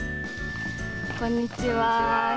こんにちは。